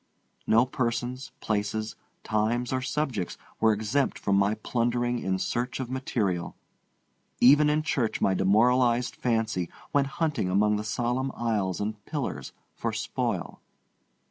No persons, places, times, or subjects were exempt from my plundering in search of material. Even in church my demoralized fancy went hunting among the solemn aisles and pillars for spoil.